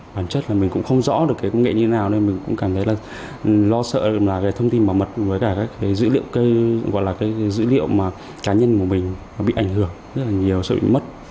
bản chất là mình cũng không rõ được cái công nghệ như thế nào nên mình cũng cảm thấy là lo sợ thông tin bảo mật với cả các dữ liệu cá nhân của mình bị ảnh hưởng rất là nhiều sợ bị mất